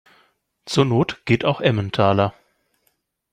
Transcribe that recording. Zur Not geht auch Emmentaler.